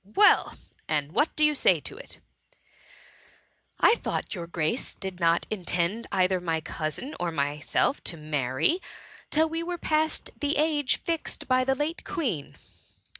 "Well, and what do you say to it ?"" I thought your Grace did not intend either my cousin, or myself to marry, till we were past the age fixed by the late Queen